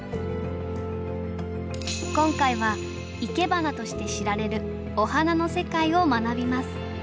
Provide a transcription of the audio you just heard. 今回はいけばなとして知られるお花の世界を学びます。